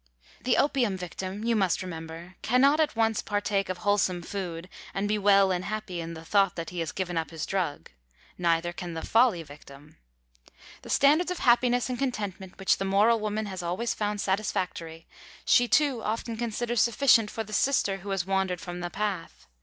The opium victim, you must remember, can not at once partake of wholesome food and be well and happy in the thought that he has given up his drug. Neither can the folly victim. The standards of happiness and contentment which the moral woman has always found satisfactory, she too often considers sufficient for the sister who has wandered from the path.